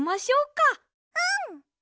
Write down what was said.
うん！